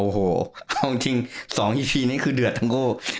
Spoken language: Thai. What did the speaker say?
โอ้โหเอาจริง๒อีพีนี้คือเดือดทั้งคู่